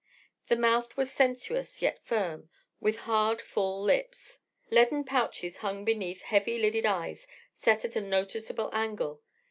The mouth was sensuous yet firm, with hard, full lips. Leaden pouches hung beneath heavy lidded eyes set at a noticeable angle.